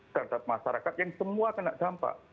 terhadap masyarakat yang semua kena dampak